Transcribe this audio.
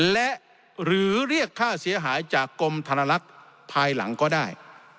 และหรือเรียกค่าเสียหายจากกรมธนลักษณ์ภายหลังก็ได้